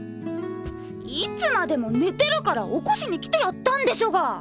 いつまでも寝てるから起こしに来てやったんでしょが！